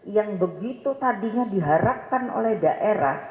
yang begitu tadinya diharapkan oleh daerah